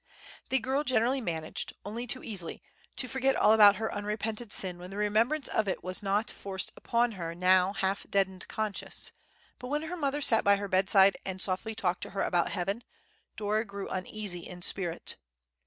The girl generally managed, only too easily, to forget all about her unrepented sin when the remembrance of it was not forced upon her now half deadened conscience, but when her mother sat by her bedside and softly talked to her about heaven, Dora grew uneasy in spirit.